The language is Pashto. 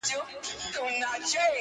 خو زه دي ونه لیدم -